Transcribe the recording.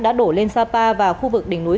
đã đổ lên sapa và khu vực đỉnh núi